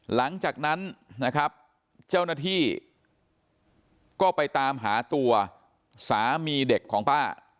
หลังจากนั้นนะครับเจ้าหน้าที่ก็ไปตามหาตัวสามีเด็กของป้า